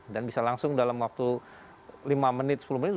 dan bisa langsung dalam waktu lima menit sepuluh menit